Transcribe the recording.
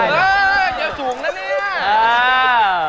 อย่าสูงนะเนี่ย